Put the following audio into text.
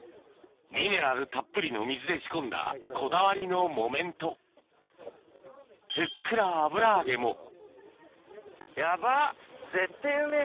ミネラルたっぷりの水で仕込んだこだわりの木綿とふっくら油揚げもヤバっぜってぇうめぇ！